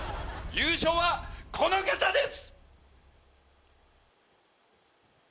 優勝はこの方です！